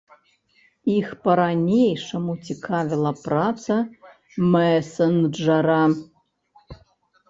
Іх па-ранейшаму цікавіла праца мэсэнджара.